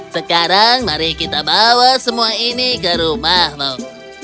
sekarang mari kita bawa semua ini ke rumahmu